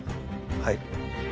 はい。